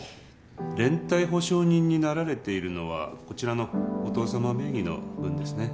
連帯保証人になられているのはこちらのお父様名義の分ですね。